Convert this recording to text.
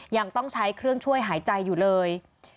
ยังต้องใช้เครื่องช่วยหายใจอยู่เลย